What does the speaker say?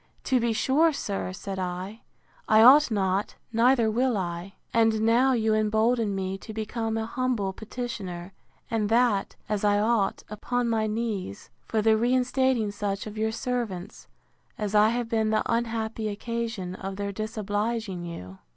To be sure, sir, said I, I ought not, neither will I. And now you embolden me to become an humble petitioner, and that, as I ought, upon my knees, for the reinstating such of your servants, as I have been the unhappy occasion of their disobliging you.